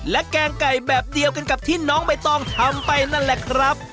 และแกงไก่แบบเดียวกันกับที่น้องใบตองทำไปนั่นแหละครับ